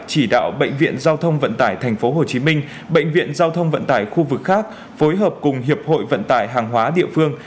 chỉ đạo bệnh viện giao thông vận tải tp hcm bệnh viện giao thông vận tải khu vực khác phối hợp cùng hiệp hội vận tải hàng hóa địa phương